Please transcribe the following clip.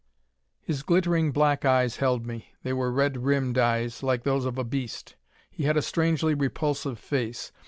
His glittering black eyes held me. They were red rimmed eyes, like those of a beast. He had a strangely repulsive face.